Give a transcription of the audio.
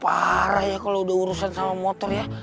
parah ya kalau udah urusan sama motor ya